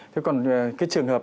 thế còn cái trường hợp